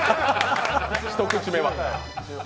一口目は。